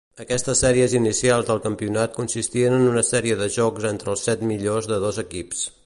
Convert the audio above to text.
Aquestes sèries inicials del campionat consistien en una sèrie de jocs entre els set millors de dos equips.